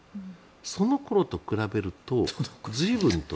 その頃と比べると随分と。